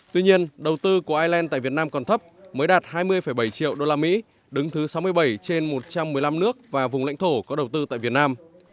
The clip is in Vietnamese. tuy nhiên đầu tư của ireland tại việt nam còn thấp mới đạt hai mươi bảy triệu usd đứng thứ sáu mươi bảy trên một trăm một mươi năm nước và vùng lãnh thổ có đầu tư tại việt nam